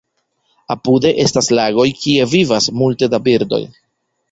Apude estas lagoj, kie vivas multe da birdoj.